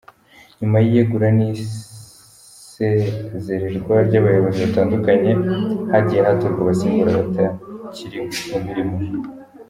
Nyuma y’iyegura n’isezererwa ry’abayobozi batandukanye, hagiye hatorwa abasimbura abatakiri mu mirimo.